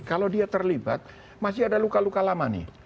kalau dia terlibat masih ada luka luka lama nih